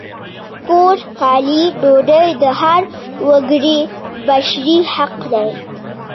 کور، کالي، ډوډۍ د هر وګړي بشري حق دی!